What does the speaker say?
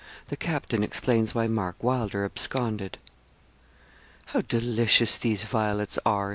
THE CAPTAIN EXPLAINS WHY MARK WYLDER ABSCONDED. 'How delicious these violets are!'